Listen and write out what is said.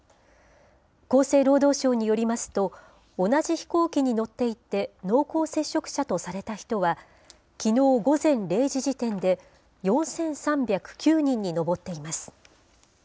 厚生労働省によりますと、同じ飛行機に乗っていて、濃厚接触者とされた人は、きのう午前０時時点で４３０９人に上っています。